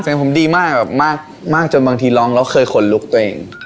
ของผมดีมากแบบมากจนบางทีร้องแล้วเคยขนลุกตัวเอง